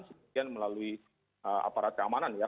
kemudian melalui aparat keamanan ya